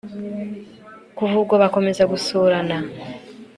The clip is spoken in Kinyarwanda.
kuva ubwo bakomeza gusurana